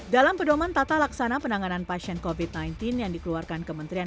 dalam pedoman tata laksana penanganan pasien covid sembilan belas yang dikeluarkan kementerian